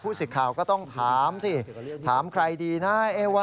สิทธิ์ข่าวก็ต้องถามสิถามใครดีนะ